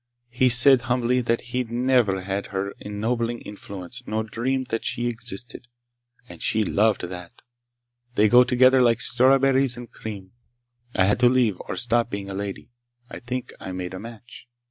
He said humbly that he'd never had her ennobling influence nor dreamed that she existed. And she loved that! They go together like strawberries and cream! I had to leave, or stop being a lady. I think I made a match."